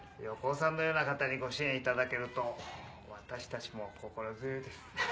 横尾さんのような方にご支援いただけると私たちも心強いです。